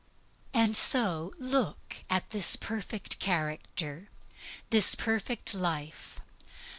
And so look at this Perfect Character, this Perfect Life.